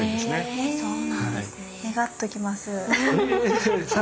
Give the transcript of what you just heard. へぇそうなんですね。